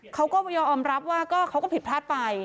เขาก็ยอมรับว่าเขาก็ผิดพลาดไป